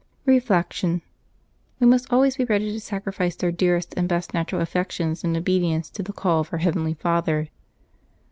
Reflection. — We must always be ready to sacrifice our dearest and 'best natural affections in obedience to the call of our heavenly Father.